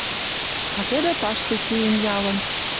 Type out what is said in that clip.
А тӹдӹ паштек кеен ялын». —